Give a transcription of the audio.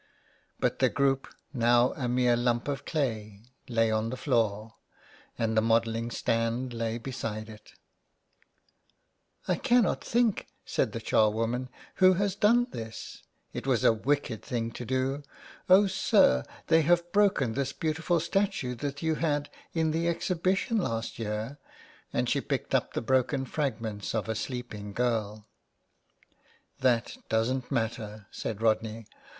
But the group, now a mere lump of clay, lay on the floor, and the modelling stand lay beside it *' I cannot think," said the charwoman, *' who has done this. It was a wicked thing to do. Oh, sir, they have broken this beautiful statue that you had in the Exhibition last year," and she picked up the broken fragments of a sleeping girl. " That doesn't matter," said Rodney.